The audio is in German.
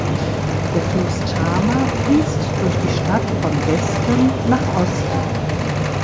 Der Fluss Tama fließt durch die Stadt von Westen nach Osten.